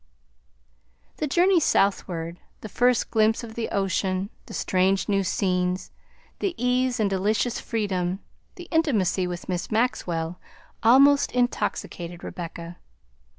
The journey southward, the first glimpse of the ocean, the strange new scenes, the ease and delicious freedom, the intimacy with Miss Maxwell, almost intoxicated Rebecca.